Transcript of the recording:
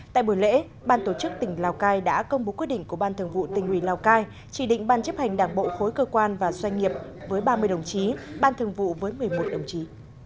tại buổi lễ ban tổ chức tỉnh lào cai đã công bố quyết định của ban thường vụ tỉnh ủy lào cai chỉ định ban chấp hành đảng bộ khối cơ quan và doanh nghiệp với ba mươi đồng chí ban thường vụ với một mươi một đồng chí